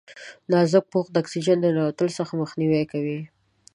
نازک پوښ د اکسیجن د ننوتلو څخه مخنیوی کوي.